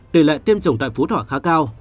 tỷ lệ tiêm chủng tại phú thọ khá cao